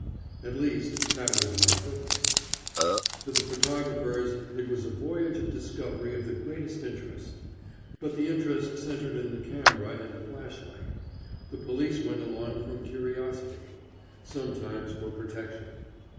At least that was my purpose. To the photographers it was a voyage of discovery of the greatest interest; but the interest centred in the camera and the flashlight. The police went along from curiosity; sometimes for protection.